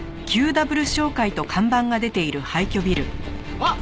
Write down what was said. あっ！